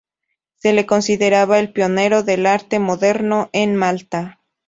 Se le consideraba el pionero del arte moderno en Malta.